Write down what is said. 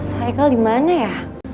mas haikal dimana ya